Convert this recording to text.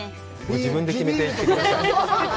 自分で決めて行ってください。